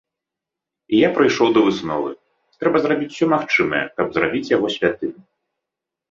І я прыйшоў да высновы, трэба зрабіць усё магчымае, каб зрабіць яго святым.